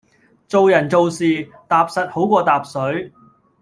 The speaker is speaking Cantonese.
做人做事，踏實好過疊水